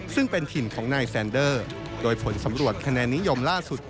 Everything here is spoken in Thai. ซึ่งเป็นถิ่นของนายแซนเดอร์โดยผลสำรวจคะแนนนิยมล่าสุด